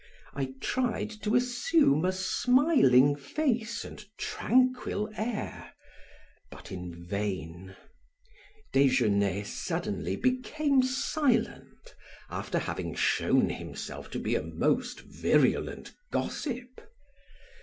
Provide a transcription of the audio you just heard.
I tried to assume a smiling face and tranquil air, but in vain. Desgenais suddenly became silent after having shown himself to be a most virulent gossip.